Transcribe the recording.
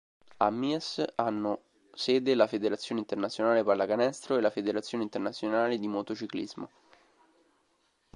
A Mies hanno sede la Federazione Internazionale Pallacanestro e la Federazione Internazionale di Motociclismo.